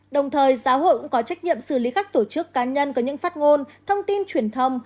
đồng thời giáo hội cũng có trách nhiệm xử lý các tổ chức cá nhân có những phát ngôn thông tin truyền thông